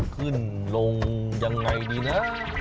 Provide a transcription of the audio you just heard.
ขึ้นลงยังไงดีนะ